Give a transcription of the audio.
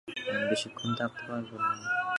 আমি বেশিক্ষণ থাকতে পারব না।